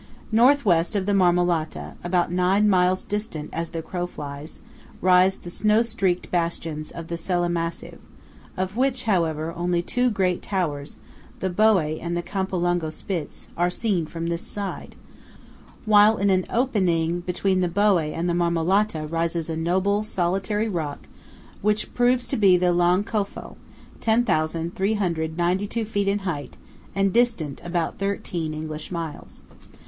North West of the Marmolata, about nine miles distant as the crow flies, rise the snow streaked bastions of the Sella Massive, of which, however, only two great towers–the Boé and the Campolungo Spitz–are seen from this side; while in an opening between the Boé and the Marmolata rises a noble, solitary rock which proves to be the Lang Kofel, 10,392 feet in height, and distant about thirteen English miles.